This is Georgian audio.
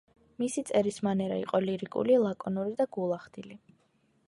მისი წერის მანერა იყო ლირიკული, ლაკონური და გულახდილი.